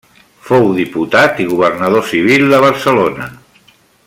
Fou diputat i governador civil de Barcelona.